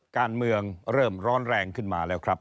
การเมืองเริ่มร้อนแรงขึ้นมาแล้วครับ